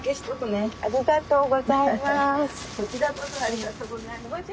ありがとうございます。